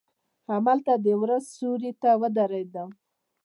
هملته د وره سیوري ته ودریدم.